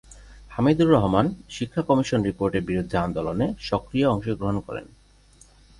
হামিদুর রহমান শিক্ষা কমিশন রিপোর্টের বিরুদ্ধে আন্দোলনে সক্রিয় অংশগ্রহণ করেন।